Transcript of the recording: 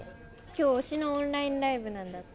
今日推しのオンラインライブなんだって。